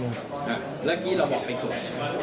เมื่อกี้เราบอกไปกด